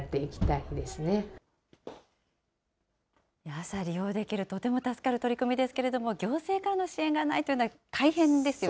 朝利用できる、とても助かる取り組みですけれども、行政からの支援がないというのは、大変ですよね。